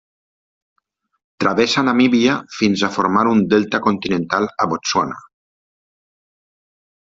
Travessa Namíbia fins a formar un delta continental a Botswana.